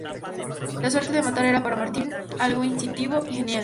La suerte de matar era para Martín algo instintivo y genial.